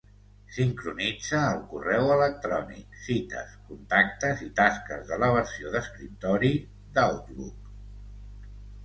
Sincronitza el correu electrònic, cites, contactes i tasques de la versió d'escriptori d'Outlook.